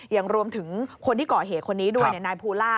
อย่างรวมถึงคนที่ก่อเหตุคนนี้ด้วยนายภูล่า